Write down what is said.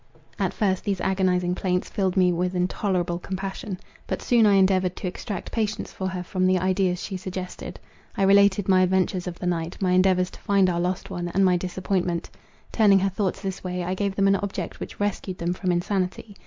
At first these agonizing plaints filled me with intolerable compassion. But soon I endeavoured to extract patience for her from the ideas she suggested. I related my adventures of the night, my endeavours to find our lost one, and my disappointment. Turning her thoughts this way, I gave them an object which rescued them from insanity.